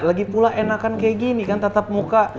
lagi pula enakan kayak gini kan tatap muka